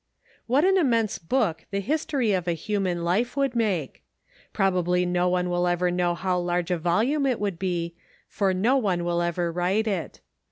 HAT an immense book the history of a human life would make I Probably no one will ever know how large a volume it would be, for no one will ever write it.